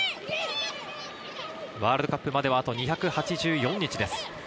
ワールドカップまではあと２８４日です。